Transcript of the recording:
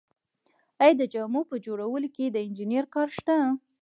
آیا د جامو په جوړولو کې د انجینر کار شته